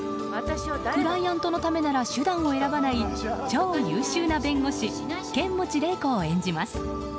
クライアントのためなら手段を選ばない超優秀な弁護士剣持麗子を演じます。